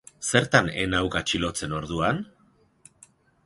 Zertan ez nauk atxilotzen, orduan?